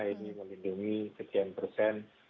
ini memiliki kecil persen